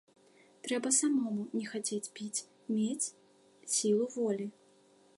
Трэба самому не хацець піць, мець сілу волі.